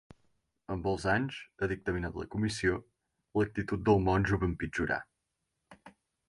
Amb els anys, ha dictaminat la comissió, l’actitud del monjo va empitjorar.